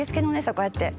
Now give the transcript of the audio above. こうやって。